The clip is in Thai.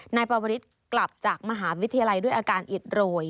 นายปวริสกลับจากมหาวิทยาลัยด้วยอาการอิดโรย